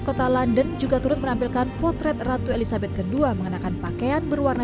kota london juga turut menampilkan potret ratu elizabeth ii mengenakan pakaian berwarna